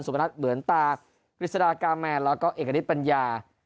พนัทเหมือนตากฤษฎากาแมนแล้วก็เอกณิตปัญญา